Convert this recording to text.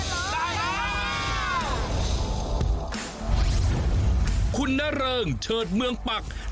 นทคุณนัเริงเชิดเมืองปลักษณ์